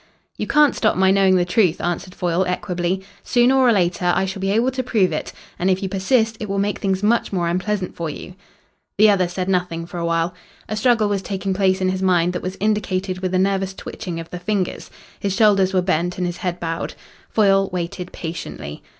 "You can't stop my knowing the truth," answered Foyle equably. "Sooner or later I shall be able to prove it. And if you persist it will make things much more unpleasant for you." The other said nothing for a while. A struggle was taking place in his mind that was indicated with a nervous twitching of the fingers. His shoulders were bent and his head bowed. Foyle waited patiently.